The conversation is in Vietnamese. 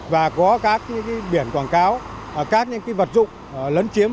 và có các biển quảng cáo các vật dụng lấn chiếm